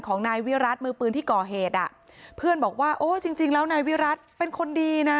ของนายวิรัติมือปืนที่ก่อเหตุอ่ะเพื่อนบอกว่าโอ้จริงจริงแล้วนายวิรัติเป็นคนดีนะ